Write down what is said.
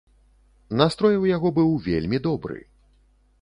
Настрой у яго быў вельмі добры.